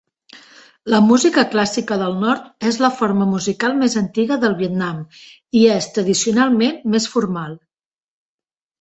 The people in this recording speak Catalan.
La música clàssica del nord és la forma musical més antiga del Vietnam i és tradicionalment més formal.